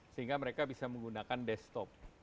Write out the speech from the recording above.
sehingga mereka bisa menggunakan desktop